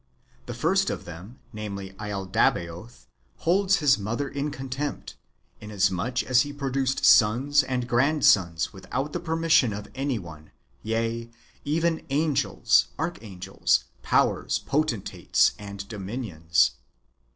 The first of them, namely laldabaoth, holds his mother in contempt, inasmuch as he produced sons and grandsons without the permission of any one, yea, even angels, archangels, powders, potentates, and dominions.